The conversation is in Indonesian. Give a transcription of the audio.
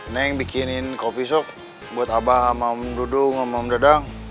neng bikinin kopi sop buat abah sama om dudung om dadang